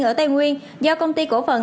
ở tây nguyên do công ty cổ phần